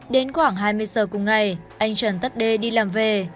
đến khoảng hai mươi giờ cùng ngày anh trần tắt đê đi làm về